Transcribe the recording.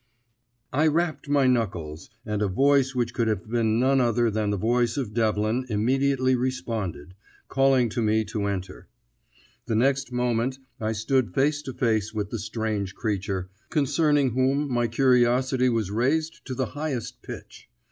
I rapped with my knuckles, and a voice which could have been none other than the voice of Devlin immediately responded, calling to me to enter. The next moment I stood face to face with the strange creature, concerning whom my curiosity was raised to the highest pitch.